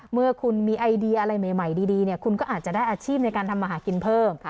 เมื่อคุณมีไอเดียอะไรใหม่ดีคุณก็อาจจะได้อาชีพในการทำมาหากินเพิ่ม